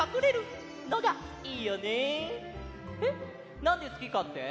「なんですきか」って？